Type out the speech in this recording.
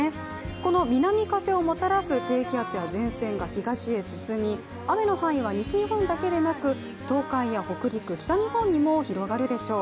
この南風をもたらす低気圧や前線が東へ進み、雨の範囲は西日本だけでなく東海や北陸、北日本にも広がるでしょう。